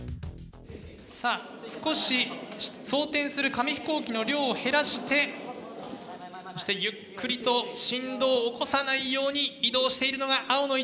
さあ少し装填する紙飛行機の量を減らしてそしてゆっくりと振動を起こさないように移動しているのが青の一関Ｂ。